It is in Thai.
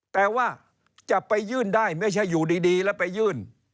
แต่ว่าจะไปยื่นได้ไม่ใช่อยู่ดีแล้วไปยื่น